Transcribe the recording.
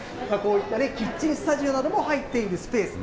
こういったキッチンスタジオなども入っているスペース。